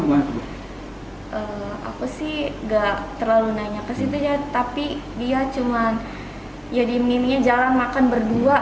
gimana tuh aku sih enggak terlalu nanya ke situ ya tapi dia cuman jadi minyak jalan makan berdua